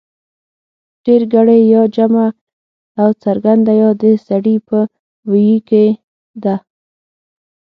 ډېرگړې يا جمع او څرگنده يا د سړي په ویي کې ده